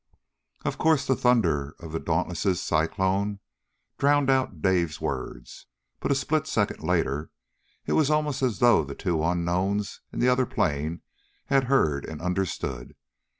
Of course the thunder of the Dauntless' Cyclone drowned out Dave's words, but a split second later it was almost as though the two unknowns in the other plane had heard and understood.